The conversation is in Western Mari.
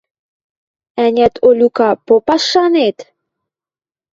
Ӓнят, Олюка, попаш шанет?»